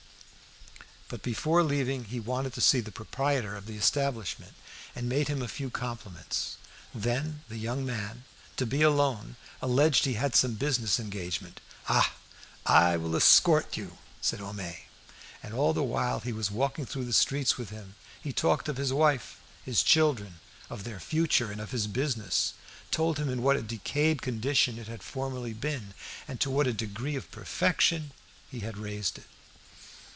But before leaving he wanted to see the proprietor of the establishment and made him a few compliments. Then the young man, to be alone, alleged he had some business engagement. "Ah! I will escort you," said Homais. And all the while he was walking through the streets with him he talked of his wife, his children; of their future, and of his business; told him in what a decayed condition it had formerly been, and to what a degree of perfection he had raised it.